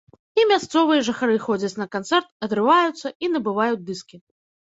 І мясцовыя жыхары ходзяць на канцэрт, адрываюцца, і набываюць дыскі.